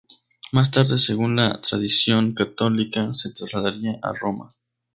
Más tarde, según la tradición católica, se trasladaría a Roma.